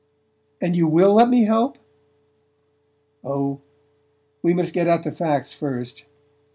"And you WILL let me help?" "Oh, we must get at the facts first."